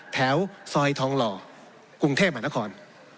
แถวซอยทองหล่อกรุงเทพมหานคร